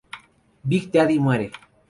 Big Daddy muere.